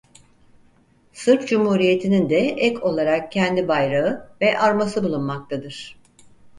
Sırp Cumhuriyeti'nin de ek olarak kendi bayrağı ve arması bulunmaktadır.